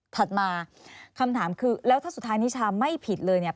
ถัดมาคำถามคือแล้วถ้าสุดท้ายนิชาไม่ผิดเลยเนี่ย